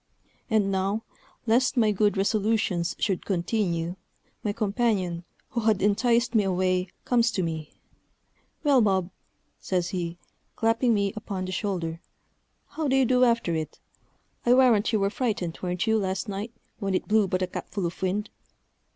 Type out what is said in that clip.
And now, lest my good resolutions should continue, my companion, who had enticed me away, comes to me: "Well, Bob," says he, clapping me upon the shoulder, "how do you do after it? I warrant you were frighted, wer'n't you, last night, when it blew but a capful of wind?"